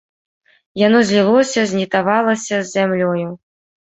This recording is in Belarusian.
Яно злілося, знітавалася з зямлёю.